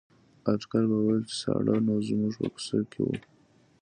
اټکل به ویل چې ساړه نو زموږ په کوڅه کې وو.